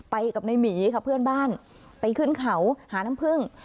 ไปกับในหมีค่ะเพื่อนบ้านไปขึ้นเขาหาน้ำพึ่ง